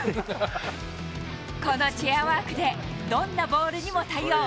このチェアワークで、どんなボールにも対応。